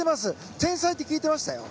天才と聞いていましたよ。